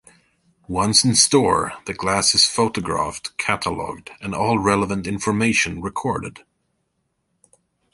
Once in store, the glass is photographed, catalogued and all relevant information recorded.